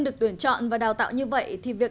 được tuyển chọn và đào tạo như vậy thì việc